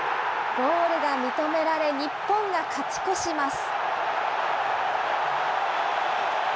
ゴールが認められ、日本が勝ち越します。